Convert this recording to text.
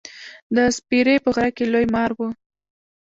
د سپرې په غره کښي لوی مار و.